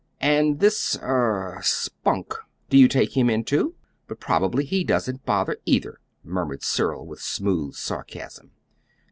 "And this er 'Spunk'; do you take him, too? But probably he doesn't bother, either," murmured Cyril, with smooth sarcasm.